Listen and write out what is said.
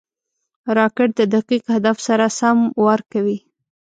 راکټ د دقیق هدف سره سم وار کوي